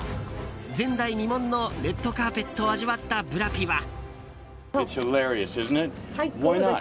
前代未聞のレッドカーペットを味わったブラピは。